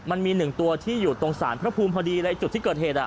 มันมีหนึ่งตัวที่อยู่ตรงสารพระภูมิพอดีในจุดที่เกิดเหตุ